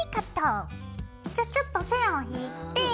じゃあちょっと線を引いて。